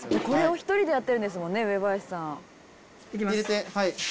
「これを１人でやってるんですもんね上林さん」入れてはい。